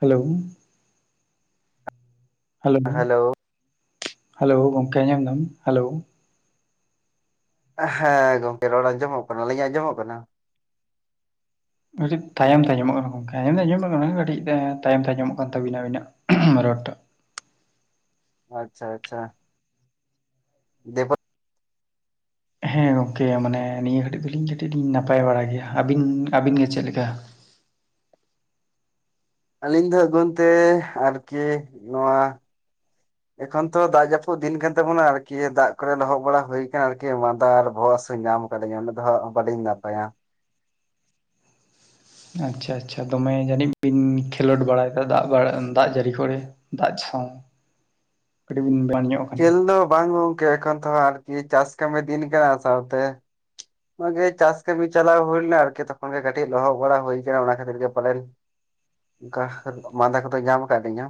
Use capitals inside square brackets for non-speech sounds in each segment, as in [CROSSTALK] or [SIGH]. Hello hello hello ᱜᱚᱢᱠᱮ ᱧ hello ᱦᱮᱸ ᱜᱚᱝᱠᱮ ᱨᱚᱲ ᱟᱸᱡᱚᱢᱚᱜ ᱠᱟᱱᱟ, ᱟᱞᱤᱧᱟᱜ ᱟᱸᱡᱚᱢᱚᱜ ᱠᱟᱱᱟ? ᱠᱟᱴᱤᱡ ᱛᱟᱭᱚᱢ ᱛᱮ ᱟᱸᱡᱚᱢᱚᱜ ᱠᱟᱱᱟ ᱜᱚᱢᱠᱮ ᱟᱸᱡᱚᱢ ᱫᱚ ᱟᱸᱡᱚᱢᱚᱜ ᱠᱟᱱᱟ, ᱠᱟᱴᱤᱡ ᱛᱟᱭᱚᱢ ᱛᱮ ᱟᱸᱡᱚᱢᱚᱜ ᱠᱟᱱ ᱛᱟᱵᱤᱱᱟ ᱟᱵᱤᱱᱟᱜ᱾ ᱢᱟᱨᱚᱴᱟ [UNINTELLIGIBLE] ᱟᱪᱪᱷᱟ ᱟᱪᱪᱷᱟ, ᱫᱮ ᱯᱚᱨᱼᱼ ᱦᱮᱸ ᱜᱚᱝᱠᱮ ᱢᱟᱱᱮ ᱱᱤᱭᱟᱹ ᱜᱷᱟᱲᱤᱡ ᱫᱚᱞᱤᱧ ᱠᱟᱹᱴᱤᱡ ᱞᱤᱧ ᱱᱟᱯᱟᱭ ᱵᱟᱲᱟ ᱜᱮᱭᱟ, ᱟᱵᱤᱱ ᱟᱵᱤᱱ ᱜᱮ ᱪᱮᱫ ᱞᱮᱠᱟ? ᱟᱞᱤᱧ ᱫᱚ ᱟᱹᱜᱽᱣᱟᱹᱱ ᱛᱮ ᱟᱨᱠᱤ ᱱᱚᱣᱟ [INAUDIBLE] ᱮᱠᱷᱚᱱ ᱛᱚ ᱫᱟᱜ ᱡᱟᱯᱩᱫ ᱫᱤᱱ ᱠᱟᱱ ᱛᱟᱵᱚᱱᱟ ᱟᱨᱠᱤ ᱫᱟᱜ ᱠᱚᱨᱮ ᱞᱚᱦᱚᱫ ᱵᱟᱲᱟ ᱦᱩᱭ ᱠᱟᱱᱟ ᱟᱨᱠᱤ ᱢᱟᱸᱫᱟ ᱟᱨ ᱵᱚᱦᱚᱜ ᱦᱟᱥᱩ ᱧᱟᱢ ᱧ ᱚᱱᱰᱮ ᱫᱚ ᱦᱟᱸᱜ ᱵᱟᱞᱤᱧ ᱱᱟᱯᱟᱭᱟ᱾ ᱟᱪᱷᱟ ᱟᱪᱷᱟ ᱫᱚᱢᱮ ᱡᱟᱹᱱᱤᱡ ᱵᱤᱱ ᱠᱷᱮᱞᱳᱰ ᱵᱟᱲᱟᱭᱮᱫᱟ ᱫᱟᱜ ᱫᱟᱜ ᱡᱟᱹᱲᱤ ᱠᱚᱨᱮ ᱫᱟᱜ ᱪᱷᱟᱚᱝ ᱠᱟᱴᱤᱡ ᱵᱤᱱ [UNINTELLIGIBLE] ᱠᱷᱮᱞ ᱫᱚ ᱵᱟᱝ ᱜᱚᱝᱠᱮ ᱮᱠᱷᱚᱱ ᱛᱚᱦᱟᱜ ᱟᱨᱠᱤ ᱪᱟᱥ ᱠᱟᱢᱮ ᱫᱤᱱ ᱠᱟᱱᱟ ᱥᱟᱣᱛᱮ ᱦᱚᱜ-ᱚᱭ ᱜᱮ ᱪᱟᱥ ᱠᱟᱢᱤ ᱪᱟᱞᱟᱣ ᱦᱩᱭ ᱞᱮᱱᱟ ᱟᱨᱠᱤ ᱛᱚᱠᱷᱚᱱ ᱜᱮ ᱠᱟᱴᱤᱡ ᱞᱚᱦᱚᱜ ᱵᱟᱲᱟ ᱦᱩᱭ ᱠᱟᱱᱟ ᱚᱱᱟ ᱠᱷᱟᱛᱤᱨ ᱜᱮ ᱯᱟᱞᱮᱱ ᱠᱟ ᱢᱟᱫᱟ ᱠᱚᱫᱚ ᱧᱟᱢ ᱠᱟᱜ ᱞᱤᱧᱟ᱾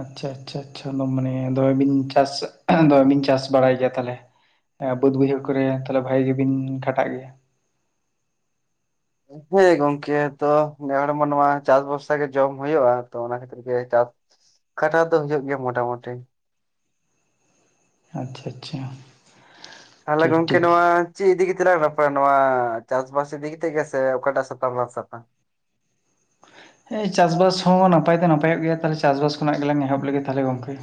ᱟᱪᱪᱷᱟ, ᱟᱪᱪᱷᱟ, ᱟᱪᱪᱷᱟ ᱫᱚ ᱢᱟᱱᱮ ᱫᱚᱢᱮ ᱵᱤᱱ ᱪᱟᱥ ᱫᱚᱢᱮ ᱵᱤᱱ ᱪᱟᱥ ᱵᱟᱲᱟᱭ ᱜᱮᱭᱟ ᱛᱟᱦᱞᱮ ᱮᱸ ᱵᱟᱹᱫ ᱵᱟᱹᱭᱦᱟᱹᱲ ᱠᱚᱨᱮ ᱛᱟᱦᱞᱮ ᱵᱷᱟᱜᱤ ᱜᱮᱵᱤᱱ ᱠᱷᱟᱴᱟᱜ ᱜᱮᱭᱟ। ᱦᱮᱸ ᱜᱚᱝᱠᱮ ᱛᱚ ᱱᱮ ᱦᱚᱲ ᱢᱟ ᱱᱚᱣᱟ ᱪᱟᱥ ᱵᱚᱨᱥᱟ ᱜᱮ ᱡᱚᱢ ᱦᱩᱭᱩᱜᱼᱟ, ᱛᱚ ᱚᱱᱟ ᱠᱷᱟᱛᱤ ᱜᱮ ᱪᱟᱥ ᱠᱷᱟᱴᱟ ᱫᱚ ᱦᱩᱭᱩᱜ ᱜᱮᱭᱟ ᱢᱚᱴᱟᱢᱩᱴᱤ᱾ ᱟᱪᱪᱷᱟ ᱟᱪᱪᱷᱟ ᱛᱟᱦᱚᱞᱮ ᱴᱷᱤᱠ ᱜᱚᱢᱠᱮ ᱴᱷᱤᱠ ᱱᱚᱣᱟ ᱪᱮᱫ ᱤᱫᱤ ᱠᱟᱛᱮᱞᱟᱝ ᱨᱟᱯᱟᱭᱟ ᱱᱚᱣᱟ ᱪᱟᱥᱵᱟᱥ ᱤᱫᱤ ᱠᱟᱛᱮ ᱜᱮᱥᱮ ᱚᱠᱟ ᱴᱟᱜ ᱥᱟᱛᱟᱢ ᱞᱟᱝ ᱥᱟᱯᱟ ᱦᱮᱸ ᱪᱟᱥᱵᱟᱥ ᱦᱚᱸ ᱱᱟᱯᱟᱭ ᱫᱚ ᱱᱟᱯᱚᱜ ᱜᱮᱭᱟ, ᱛᱟᱦᱚᱞᱮ ᱪᱟᱥᱵᱟᱥ ᱠᱷᱚᱱᱟᱜ ᱜᱮᱞᱟᱝ ᱮᱦᱚᱵ ᱞᱮᱜᱮ ᱛᱟᱦᱚᱞᱮ ᱜᱚᱝᱠᱮ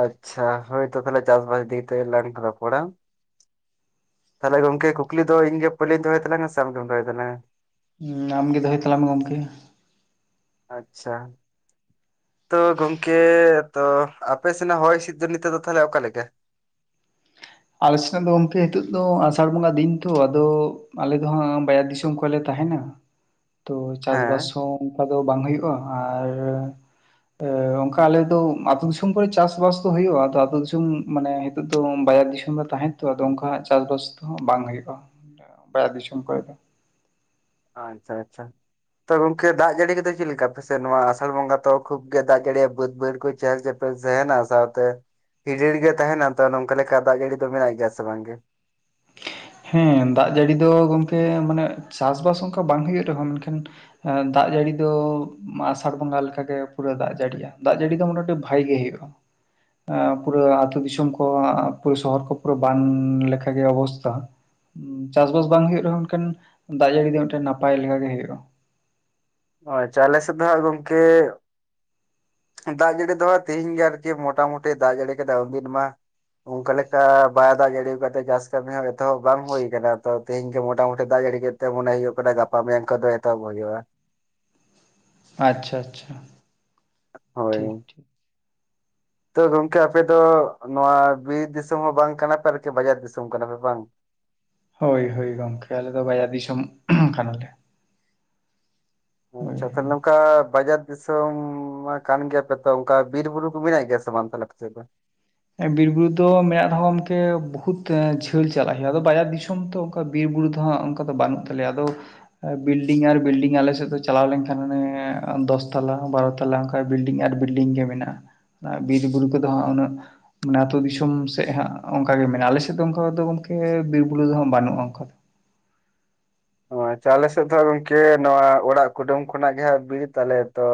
ᱟᱪᱪᱷᱟ, ᱦᱚᱭᱛᱚ ᱛᱟᱦᱮᱞᱮ ᱪᱟᱥᱵᱟᱥ ᱤᱫᱤ ᱠᱟᱛᱮ ᱜᱮᱞᱟᱝ ᱨᱚᱯᱚᱲᱟ᱾ ᱛᱟᱦᱚᱞᱮ ᱜᱚᱢᱠᱮ ᱠᱩᱠᱞᱤ ᱫᱚ ᱤᱧ ᱜᱮ ᱯᱳᱭᱞᱳᱧ ᱫᱚᱦᱚᱭ ᱛᱟᱞᱟᱝ-ᱟ ᱥᱮ ᱟᱢᱜᱮᱢ ᱫᱚᱦᱚᱭ ᱛᱟᱞᱟᱝ-ᱟ᱾ ᱦᱩᱸ ᱟᱢ ᱜᱮ ᱫᱚᱦᱚᱭ ᱛᱟᱞᱟᱝ ᱢᱮ ᱜᱚᱢᱠᱮ ᱾ ᱟᱪᱪᱷᱟ, ᱛᱚ ᱜᱚᱝᱠᱮ, ᱛᱚ ᱟᱯᱮ ᱥᱮᱱᱟᱜ ᱦᱚᱭ ᱦᱤᱥᱤᱫ ᱫᱚ ᱱᱤᱛᱚᱜ ᱫᱚ ᱛᱟᱦᱚᱞᱮ ᱚᱠᱟ ᱞᱮᱠᱟ? ᱟᱞᱮ ᱥᱮᱱ ᱫᱚ ᱜᱚᱢᱠᱮ ᱱᱤᱛᱚᱜ ᱫᱚ ᱟᱥᱟᱲ ᱵᱚᱸᱜᱟ ᱫᱤᱱ ᱛᱚ ᱟᱫᱚ, ᱟᱞᱮ ᱫᱚᱦᱟᱸᱜ ᱵᱟᱡᱟᱨ ᱫᱤᱥᱚᱢ ᱠᱚᱨᱮ ᱞᱮ ᱛᱟᱦᱮᱸᱱᱟ ᱾ ᱛᱚ ᱪᱟᱥᱵᱟᱥ ᱦᱮᱸ ᱦᱚᱸ ᱚᱱᱠᱟ ᱫᱚ ᱵᱟᱝ ᱦᱳᱭᱳᱜᱼᱟ, ᱟᱨ ᱚᱱᱠᱟ ᱟᱞᱮᱫᱚ ᱟᱛᱳ ᱫᱤᱥᱚᱢ ᱠᱚᱨᱮ ᱪᱟᱥ ᱵᱟᱥ ᱫᱚ ᱦᱳᱭᱳᱜᱼᱟ ᱾ ᱟᱫᱚ ᱟᱛᱳ ᱫᱤᱥᱚᱢ ᱢᱟᱱᱮ ᱱᱤᱛᱚᱜ ᱫᱚ ᱵᱟᱡᱟᱨ ᱫᱤᱥᱚᱢ, ᱨᱮ ᱛᱟᱦᱮᱱ ᱛᱚ ᱟᱫᱚ ᱩᱱᱠᱟ ᱪᱟᱥᱵᱟᱥ ᱛᱚ ᱵᱟᱝ ᱦᱩᱭᱩᱜᱼᱟ ᱾ ᱵᱟᱡᱟᱨ ᱫᱤᱥᱚᱢ ᱠᱚᱨᱮ ᱫᱚ᱾ ᱟᱪᱪᱷᱟ ᱟᱪᱪᱷᱟ, ᱛᱚ ᱜᱚᱢᱠᱮ ᱫᱟᱜ ᱡᱟᱹᱲᱤ ᱠᱚᱫᱚ ᱪᱮᱫ ᱞᱮᱠᱟ ᱟᱯᱮ ᱥᱮᱫ ᱱᱚᱣᱟ ᱟᱥᱟᱲ ᱵᱚᱸᱜᱟ ᱛᱚ ᱠᱷᱩᱵ ᱜᱮ ᱫᱟᱜ ᱡᱟᱹᱲᱤᱭᱟᱭ, ᱵᱟᱹᱫ ᱵᱟᱹᱭᱟᱹᱲ ᱠᱚ ᱪᱟᱥ ᱜᱮᱯ, ᱛᱟᱦᱮᱸᱱᱟ ᱥᱟᱶᱛᱮ ᱟᱹᱡᱟᱹᱲᱤᱜᱮ ᱛᱟᱦᱮᱸᱱᱟ ᱛᱚ ᱱᱚᱝᱠᱟ ᱞᱮᱠᱟ ᱫᱟᱜ ᱡᱟᱹᱲᱤ ᱫᱚ ᱢᱮᱱᱟᱜ ᱜᱮᱭᱟ ᱥᱮ ᱵᱟᱝᱜᱮ? ᱦᱮᱸ ᱫᱟᱜ ᱡᱟᱹᱲᱤ ᱫᱚ ᱜᱚᱢᱠᱮ ᱢᱟᱱᱮ ᱪᱟᱥᱵᱟᱥ ᱚᱱᱠᱟ ᱵᱟᱝ ᱦᱩᱭᱩᱜ ᱨᱮᱦᱚᱸ ᱢᱮᱱᱠᱷᱟᱱ? ᱫᱟᱜ ᱡᱟᱹᱲᱤ ᱫᱚ ᱟᱥᱟᱲ ᱵᱚᱸᱜᱟ ᱞᱮᱠᱟᱜ ᱜᱮ ᱯᱩᱨᱟᱹ ᱫᱟᱜ ᱡᱟᱹᱲᱤᱼᱟ ᱾ᱫᱟᱜ ᱡᱟᱹᱲᱤ ᱫᱚ ᱢᱚᱴᱮᱴᱤ ᱵᱷᱟᱜᱤ ᱜᱮ ᱦᱩᱭᱩᱜᱼᱟ ᱾ ᱟᱸ ᱩᱱᱠᱩ ᱫᱚ ᱟᱹᱛᱩᱳ ᱫᱤᱥᱚᱢ ᱠᱚ ᱯᱩᱨᱟᱹ ᱥᱚᱦᱚᱨ ᱠᱚ ᱯᱩᱨᱟᱹ ᱵᱟᱱ ᱞᱮᱠᱟᱜᱮ ᱚᱵᱚᱥᱛᱟ, ᱪᱟᱥᱵᱟᱥ ᱵᱟᱝ ᱦᱳᱭᱳᱜ ᱨᱮᱦᱚᱸ ᱢᱮᱱᱠᱷᱟᱱ ᱫᱟᱜ ᱡᱟᱹᱲᱤ ᱫᱚ ᱢᱤᱫᱴᱮᱱ ᱱᱟᱯᱟᱭ ᱞᱮᱠᱟ ᱜᱮ ᱦᱳᱭᱳᱼᱟ ᱾ ᱟᱪᱪᱷᱟ ᱟᱞᱮ ᱥᱮᱫ ᱫᱚᱦᱟᱜ ᱜᱚᱢᱠᱮ, ᱫᱟᱜ ᱡᱟᱹᱲᱤ ᱫᱚ ᱦᱟᱜ ᱛᱤᱦᱤᱧ ᱜᱮ ᱟᱨᱠᱤ ᱢᱚᱴᱟᱢᱩᱴᱤ ᱫᱟᱜ ᱡᱟᱹᱲᱤ ᱠᱮᱫᱟᱭ ᱩᱱᱫᱤᱱ ᱢᱟ ᱚᱱᱠᱟ ᱞᱮᱠᱟ ᱵᱟᱭ ᱫᱟᱜ ᱡᱟᱹᱲᱤ ᱠᱟᱣᱛᱮ ᱪᱟᱥ ᱠᱟᱹᱢᱤ ᱦᱚᱸ ᱮᱛᱚᱦᱚᱵ ᱵᱟᱝ ᱦᱩᱭᱟᱠᱟᱱᱟ ᱾ ᱛᱚ ᱛᱮᱦᱤᱧ ᱜᱮ ᱢᱚᱴᱟᱢᱩᱴᱤ ᱫᱟᱜ ᱡᱟᱹᱲᱤ ᱜᱮ ᱛᱮ ᱢᱚᱱᱮ ᱦᱳᱭᱳᱜ ᱠᱟᱱᱟ ᱜᱟᱯᱟ ᱢᱮᱭᱟᱝ ᱠᱷᱚᱱ ᱫᱚ ᱮᱛᱚᱦᱚᱵ ᱦᱳᱭᱳᱜᱼᱟ᱾ ᱟᱪᱪᱷᱟ ᱟᱪᱪᱷᱟ ᱦᱳᱭ ᱴᱷᱤᱠ ᱴᱷᱤᱠ- ᱛᱚ ᱜᱚᱝᱠᱮ ᱟᱯᱮ ᱫᱚ ᱱᱚᱣᱟ ᱵᱤᱨ ᱫᱤᱥᱚᱢ ᱦᱚᱸ ᱵᱟᱝ ᱠᱟᱱᱟ ᱯᱮ ᱟᱨᱠᱤ ᱵᱟᱡᱟᱨ ᱫᱤᱥᱚᱢ ᱠᱟᱱᱟ ᱯᱮ ᱵᱟᱝ᱾ ᱦᱳᱭ ᱦᱳᱭ ᱜᱚᱢᱠᱮ ᱟᱞᱮ ᱫᱚ ᱵᱟᱡᱟᱨ ᱫᱤᱥᱚᱢ ᱠᱟᱱᱟᱞᱮ᱾ ᱦᱳᱭ ᱟᱪᱪᱷᱟ ᱛᱟᱦᱞᱮ ᱦᱳᱭ ᱱᱚᱝᱠᱟ ᱵᱟᱡᱟᱨ ᱫᱤᱥᱚᱢ ᱢᱟ ᱠᱟᱱ ᱜᱮᱭᱟᱯᱮ, ᱛᱚ ᱚᱱᱠᱟ ᱵᱤᱨ ᱵᱩᱨᱩ ᱠᱚ ᱢᱮᱱᱟᱭ ᱜᱮᱭᱟ ᱥᱮ ᱵᱟᱝ? [UNINTELLIGIBLE] ᱵᱤᱨ ᱵᱩᱨᱩ ᱫᱚ ᱢᱮᱱᱟᱜ ᱨᱮᱸᱦᱚ ᱜᱚᱢᱠᱮ ᱵᱚᱦᱩᱛ ᱡᱷᱟᱹᱞ ᱪᱟᱞᱟᱜ ᱦᱩᱭᱩᱜᱼᱟ, ᱟᱫᱚ ᱵᱟᱡᱟᱨ ᱫᱤᱥᱚᱢ ᱛᱚ, ᱠᱟ ᱵᱤᱨᱵᱩᱨᱩ ᱫᱚ ᱦᱟᱸᱜ ᱚᱝᱠᱟ ᱫᱚ ᱵᱟᱹᱱᱩᱜ ᱛᱟᱞᱮᱭᱟ ᱟᱫᱚ ᱵᱤᱞᱰᱤᱝ ᱟᱨ ᱵᱤᱞᱰᱤᱝ ᱟᱞᱮ ᱥᱮᱜ ᱫᱚ ᱪᱟᱞᱟᱣ ᱞᱮᱱᱠᱷᱟᱱ ᱦᱟᱱᱮ ᱫᱚᱥ ᱛᱟᱞᱟ ᱵᱟᱨᱚ ᱛᱟᱞᱟ ᱠᱟ ᱵᱤᱞᱰᱤᱝ ᱟᱨ ᱵᱤᱞᱰᱤᱝ ᱜᱮ ᱢᱮᱱᱟᱜᱼᱟ᱾ ᱵᱤᱨ ᱵᱩᱨᱩ ᱠᱚᱫᱚ ᱦᱟᱸᱜ ᱩᱱᱟᱹᱜ ᱢᱟᱱᱮ ᱟᱹᱛᱩᱳ ᱫᱤᱥᱚᱢ ᱥᱮᱜ ᱦᱟᱸᱜ ᱚᱝᱠᱟᱜ ᱜᱮ ᱢᱮᱱᱟᱜᱼᱟ ᱟᱞᱮᱥᱮᱜ ᱫᱚ ᱚᱝᱠᱟ ᱫᱚ ᱜᱚᱝᱠᱮ ᱵᱤᱨᱵᱩᱨᱩ ᱫᱚ ᱦᱟᱸᱜ ᱵᱟᱹᱱᱩᱜᱼᱟ ᱚᱝᱠᱟ ᱫᱚ᱾ ᱚ ᱟᱪᱪᱷᱟ ᱟᱞᱮ ᱥᱮᱜ ᱫᱚ ᱦᱟᱸᱜ ᱜᱚᱝᱠᱮ ᱱᱚᱣᱟ ᱚᱲᱟᱜ ᱠᱩᱰᱟᱹᱢ ᱠᱷᱚᱱᱟᱜ ᱜᱮ ᱦᱟᱸᱜ ᱵᱤᱨ ᱛᱟᱞᱮ ᱛᱚ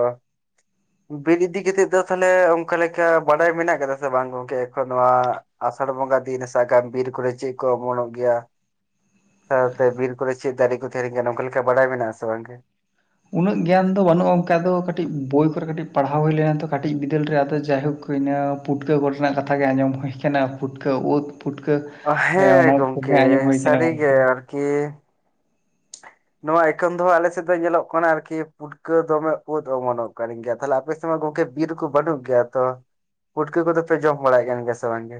ᱵᱤᱨ ᱤᱫᱤ ᱠᱮᱛᱮᱜ ᱫᱚ ᱛᱟᱦᱞᱮ ᱚᱝᱠᱟ ᱞᱮᱠᱟ ᱵᱟᱰᱟᱭ ᱢᱮᱱᱟᱜ ᱠᱟᱫᱟ ᱥᱮ ᱵᱟᱝ ᱜᱚᱝᱠᱮ? ᱮᱠᱷᱚᱱ ᱱᱚᱣᱟ ᱟᱥᱟᱲ ᱵᱚᱸᱜᱟ ᱫᱤᱱ ᱨᱮ ᱥᱟᱜᱟᱢ ᱵᱤᱨ ᱠᱚᱨᱮ ᱪᱮᱜ ᱠᱚ ᱚᱢᱚᱱᱚᱜ ᱜᱮᱭᱟ? ᱥᱟᱶᱛᱮ ᱵᱤᱨ ᱠᱚᱨᱮ ᱪᱮᱫ ᱫᱟᱨᱮ ᱠᱚ ᱛᱟᱦᱮᱱ ᱠᱟᱱᱟ ᱚᱝᱠᱟ ᱞᱮᱠᱟ ᱵᱟᱲᱟᱭ ᱢᱮᱱᱟᱜᱼᱟ ᱥᱮ ᱵᱟᱝ ᱜᱮ? ᱩᱱᱟᱹᱜ ᱜᱮᱭᱟᱱ ᱫᱚ ᱵᱟᱹᱱᱩᱜᱼᱟ ᱚᱝᱠᱟ ᱫᱚ ᱠᱟᱹᱴᱤᱡ ᱵᱳᱭ ᱠᱚᱨᱮ ᱠᱟᱹᱴᱤᱡ ᱯᱟᱲᱦᱟᱣ ᱦᱩᱭ ᱞᱮᱱᱟ ᱛᱚ ᱠᱟᱹᱴᱤᱡ ᱵᱤᱫᱟᱹᱞ ᱨᱮ ᱟᱫᱚ ᱡᱟᱭᱦᱳᱠ ᱦᱩᱭᱱᱟ ᱯᱩᱴᱠᱟᱹ ᱠᱚ ᱨᱮᱱᱟᱜ ᱠᱟᱛᱷᱟ ᱜᱮ ᱟᱸᱡᱚᱢ ᱦᱩᱭ ᱟᱠᱟᱱᱟ ᱯᱩᱴᱠᱟᱹ ᱩᱫ ᱯᱩᱴᱠᱟᱹ ᱚ ᱦᱮᱸ ᱚᱱᱟ ᱠᱚᱜᱮ ᱜᱚᱝᱠᱮ ᱟᱸᱡᱚᱢ ᱦᱩᱭ ᱠᱟᱱᱟ ᱥᱟᱹᱨᱤ ᱜᱮ ᱜᱚᱝᱠᱮ ᱟᱨᱠᱤ ᱱᱚᱣᱟ ᱮᱠᱷᱚᱱ ᱫᱚ ᱦᱟᱸᱜ ᱟᱞᱮᱥᱮᱜ ᱫᱚ ᱧᱮᱞᱚᱜ ᱠᱟᱱᱟ ᱟᱨᱠᱤ ᱯᱩᱴᱠᱟᱹ ᱫᱚᱢᱮ ᱩᱫ ᱚᱢᱚᱱᱚᱜ ᱠᱟᱱ ᱜᱮᱭᱟ ᱛᱟᱦᱞᱮ ᱟᱯᱮ ᱨᱮᱢᱟ ᱜᱚᱝᱠᱮ ᱵᱤᱨ ᱠᱚ ᱵᱟᱹᱱᱩᱜ ᱜᱮᱭᱟ ᱛᱚ, ᱯᱩᱴᱠᱟᱹ ᱠᱚᱫᱚ ᱯᱮ ᱡᱚᱢ ᱵᱟᱲᱟᱭᱮᱜ ᱠᱟᱱ ᱜᱮᱭᱟ ᱥᱮ ᱵᱟᱝᱜᱮ?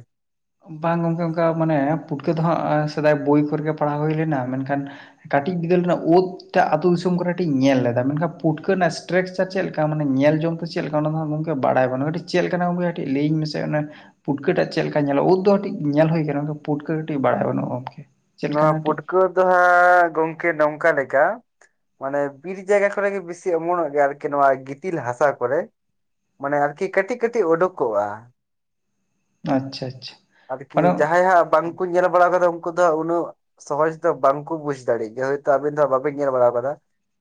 ᱵᱟᱝ ᱜᱚᱝᱠᱮ ᱚᱝᱠᱟ ᱢᱟᱱᱮ ᱯᱩᱴᱠᱟᱹ ᱫᱚ ᱦᱟᱸᱜ ᱥᱮᱫᱟᱭ ᱵᱳᱭ ᱠᱚᱨᱮᱜᱮ ᱯᱟᱲᱦᱟᱣ ᱦᱩᱭ ᱞᱮᱱᱟ ᱢᱮᱱᱠᱷᱟᱱ ᱠᱟᱹᱴᱤᱡ ᱵᱤᱫᱟᱹᱞ ᱨᱮᱱᱟᱜ ᱩᱫ ᱴᱟᱜ ᱟᱛᱳ ᱫᱤᱥᱚᱢ ᱠᱚᱨᱮ ᱴᱤᱧ ᱧᱮᱞ ᱞᱮᱫᱟ ᱢᱮᱱᱠᱷᱟᱱ ᱯᱩᱴᱠᱟᱹ ᱨᱮᱱᱟᱜ ᱥᱴᱨᱟᱠᱪᱟᱨ ᱪᱮᱜ ᱞᱮᱠ ᱛᱟ ᱢᱟᱱᱮ ᱧᱮᱞ ᱡᱚᱝᱛᱮ ᱪᱮᱜ ᱞᱮᱠᱟ ᱚᱱᱟ ᱫᱚ ᱦᱟᱸᱜ ᱜᱚᱝᱠᱮ ᱵᱟᱲᱟᱭ ᱵᱟᱹᱱᱩᱜᱼᱟ᱾ ᱴᱤᱡ ᱪᱮᱜ ᱞᱮᱠᱟᱱᱟ ᱜᱚᱝᱠᱮ ᱴᱤᱜ ᱞᱟᱹᱭᱟᱹᱧ ᱢᱮᱥᱮ ᱚᱱᱮ ᱯᱩᱴᱠᱟᱹ ᱴᱟᱜ ᱪᱮᱜ ᱞᱮᱠᱟ ᱧᱮᱞᱟᱜ? ᱩᱫ ᱫᱚ ᱠᱟᱹᱴᱤᱡ ᱧᱮᱞ ᱦᱩᱭ ᱟᱠᱟᱱᱟ ᱚᱝᱠᱮ ᱯᱩᱴᱠᱟᱹ ᱠᱟᱹᱴᱤᱡ ᱵᱟᱲᱟᱭ ᱵᱟᱹᱱᱩᱜᱼᱟ ᱜᱚᱝᱠᱮ ᱪᱮᱫ ᱱᱚᱣᱟ ᱞᱮᱠᱟᱱᱟ ᱠᱟᱹᱴᱤᱡ ᱯᱩᱴᱠᱟᱹ ᱫᱚ ᱦᱟᱸᱜ ᱜᱚᱝᱠᱮ ᱱᱚᱝᱠᱟ ᱞᱮᱠᱟ ᱢᱟᱱᱮ ᱵᱤᱨ ᱡᱟᱭᱜᱟ ᱠᱚᱨᱮ ᱜᱮ ᱵᱮᱥᱤ ᱚᱢᱚᱱᱚᱜ ᱜᱮᱭᱟ ᱟᱨᱠᱤ ᱱᱚᱣᱟ ᱜᱤᱛᱤᱞ ᱦᱟᱥᱟ ᱠᱚᱨᱮ᱾ ᱢᱟᱱᱮ ᱟᱨᱠᱤ ᱠᱟᱹᱴᱤᱜ ᱠᱟᱹᱴᱤᱜ ᱩᱰᱩᱠᱚᱜᱼᱟ᱾ ᱟᱪᱪᱷᱟ ᱟᱪᱪᱷᱟ ᱟᱨᱠᱤ ᱢᱟᱱᱮ ᱡᱟᱦᱟᱸᱭ ᱦᱟᱸᱜ ᱵᱟᱝᱠᱚ ᱧᱮᱞ ᱵᱟᱲᱟᱣ ᱠᱟᱫᱟ ᱩᱝᱠᱩ ᱫᱚ ᱦᱟᱸᱜ ᱩᱱᱟᱹᱜ ᱥᱚᱦᱚᱡ ᱫᱚ ᱵᱟᱝ ᱠᱚ ᱵᱩᱡᱽ ᱫᱟᱲᱮᱜ ᱜᱮᱭᱟ ᱦᱚᱭᱛᱚ ᱟᱵᱤᱱ ᱫᱚ ᱦᱟᱸᱜ ᱵᱟᱵᱤᱱ ᱧᱮᱞ ᱵᱟᱲᱟᱣ ᱠᱟᱫᱟ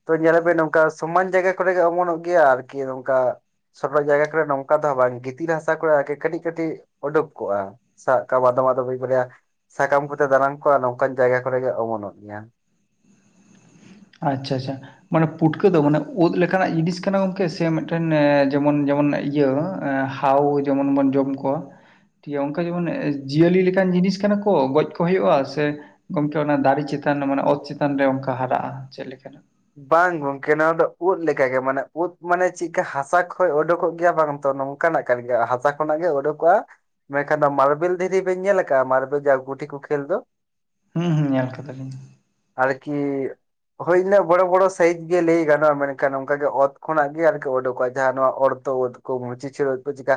ᱛᱚ ᱧᱮᱞᱟᱵᱤᱱ ᱱᱚᱝᱠᱟ ᱥᱚᱢᱟᱱ ᱡᱟᱭᱜᱟ ᱠᱚᱨᱮ ᱜᱮ ᱚᱢᱚᱱᱚᱜ ᱜᱮᱭᱟ ᱟᱨᱠᱤ ᱱᱚᱝᱠᱟ᱾ ᱥᱟᱯᱷᱟ ᱡᱟᱭᱜᱟ ᱠᱚᱨᱮ ᱱᱚᱝᱠᱟ ᱫᱚ ᱦᱟᱸᱜ ᱵᱟᱝ ᱜᱤᱛᱤᱞ ᱦᱟᱥᱟ ᱠᱚᱨᱮ ᱟᱨᱠᱤ ᱠᱟᱹᱴᱤᱜ ᱠᱟᱹᱴᱤᱜ ᱩᱰᱩᱠ ᱠᱚᱜᱼᱟ᱾ ᱥᱟᱜ ᱠᱟᱢ ᱟᱫᱚᱢ ᱟᱫᱚᱢ ᱢᱤᱜ ᱵᱟᱨᱭᱟ ᱥᱟᱠᱟᱢ [UNINTELLIGIBLE] ᱢᱤᱫ ᱵᱟᱨᱭᱟ ᱥᱟᱠᱟᱢ ᱠᱚᱛᱮ ᱫᱟᱱᱟᱝ ᱠᱚᱜᱼᱟ ᱱᱚᱝᱠᱟᱱ ᱡᱟᱭᱜᱟ ᱠᱚᱨᱮᱜᱮ ᱚᱢᱚᱱᱚᱜ ᱜᱮᱭᱟ᱾ ᱟᱪᱪᱷᱟ ᱟᱪᱪᱷᱟ ᱢᱟᱱᱮ ᱯᱩᱴᱠᱟᱹ ᱫᱚ ᱢᱟᱱᱮ ᱩᱫ ᱞᱮᱠᱟᱱᱟᱜ ᱡᱤᱱᱤᱥ ᱠᱟᱱᱟ ᱜᱚᱝᱠᱮ ᱥᱮ ᱢᱤᱜᱴᱮᱱ ᱮ ᱡᱮᱢᱚᱱ ᱡᱮᱢᱚᱱ ᱤᱭᱟᱹ ᱮ ᱦᱟ ᱦᱟᱣ ᱡᱮᱢᱚᱱ ᱵᱚᱱ ᱡᱚᱢ ᱠᱚᱣᱟ᱾ [UNINTELLIGIBLE] ᱚᱝᱠᱟ ᱡᱮᱢᱚᱱ ᱡᱤᱭᱟᱹᱞᱤ ᱞᱮᱠᱟᱱ ᱡᱤᱱᱤᱥ ᱠᱟᱱᱟ ᱠᱚ ᱜᱚᱡ ᱠᱚ ᱦᱩᱭᱩᱜᱼᱟ ᱥᱮ ᱜᱚᱝᱠᱮ ᱚᱱᱟ ᱫᱟᱨᱮ ᱪᱮᱛᱟᱱ ᱢᱟᱱᱮ ᱚᱛ ᱪᱮᱛᱟᱱ ᱨᱮ ᱚᱝᱠᱟ ᱦᱟᱨᱟᱜᱼᱟ ᱪᱮᱫ ᱞᱮᱠᱟᱱᱟᱜ? ᱵᱟᱝ ᱜᱚᱝᱠᱮ ᱱᱚᱣᱟ ᱫᱚ ᱩᱫ ᱞᱮᱠᱟᱜᱮ ᱢᱟᱱᱮ ᱩᱫ ᱢᱟᱱᱮ ᱪᱮᱜᱠᱟ ᱦᱟᱥᱟ ᱠᱷᱚᱡ ᱩᱰᱩᱠᱚᱜ ᱜᱮᱭᱟ ᱵᱟᱝ ᱛᱚᱱᱚᱝ ᱠᱟᱱᱟᱜ ᱠᱟᱱ ᱜᱮᱭᱟ ᱦᱟᱥᱟ ᱠᱷᱚᱱᱟᱜ ᱜᱮ ᱩᱰᱩᱠᱚᱜᱼᱟ᱾ ᱢᱮᱱᱠᱷᱟᱱ ᱫᱚ ᱢᱟᱨᱵᱮᱞ ᱫᱷᱤᱨᱤ ᱵᱮᱱ ᱧᱮᱞ ᱟᱠᱟᱜᱼᱟ? ᱢᱟᱨᱵᱮᱞ ᱡᱟᱦᱟᱸ ᱜᱩᱴᱷᱤ ᱠᱚ ᱠᱷᱮᱞ ᱫᱚ? ᱦᱩᱸ ᱦᱩᱸ ᱧᱮᱞ ᱠᱟᱫᱟᱞᱤᱧ᱾ ᱟᱨᱠᱤ ᱦᱩᱭ [UNINTELLIGIBLE] ᱵᱚᱲᱚ ᱵᱚᱲᱚ ᱥᱟᱭᱤᱡ ᱜᱮ ᱞᱟᱹᱭ ᱜᱟᱱᱚᱜᱼᱟ ᱢᱮᱱᱠᱷᱟᱱ ᱚᱝᱠᱟ ᱜᱮ ᱚᱛ ᱠᱷᱚᱱᱟᱜ ᱜᱮ ᱟᱨᱠᱤ ᱩᱰᱩᱠᱚᱜᱼᱟ ᱡᱟᱦᱟᱸ ᱱᱚᱣᱟ ᱚᱲᱛᱚ ᱣᱟᱹᱛ ᱢᱩᱪᱤ ᱪᱷᱟᱹᱲ ᱠᱚ ᱪᱤᱠᱟ